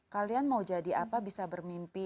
kalian mau jadi apa bisa bermimpi